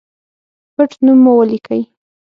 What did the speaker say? پټنوم مو ولیکئ